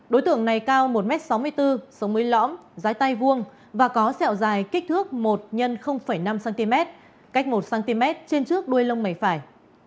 đối tượng này cao một m sáu mươi bốn sống mới lõm dưới tay vuông và có sẹo dài kích thước một x năm cm cách một cm trên trước đuôi lông mày phải